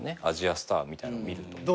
アジアスターみたいなのを見ると。